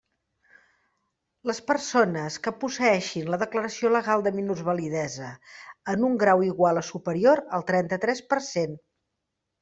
Les persones que posseeixin la declaració legal de minusvalidesa en un grau igual o superior al trenta-tres per cent.